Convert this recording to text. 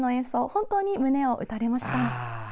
本当に胸を打たれました。